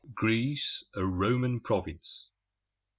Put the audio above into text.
GREECE A ROMAN PROVINCE.